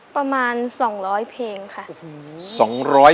ประมาณ๒๐๐เพลงค่ะ